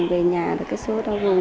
về nhà là cái số lao vùng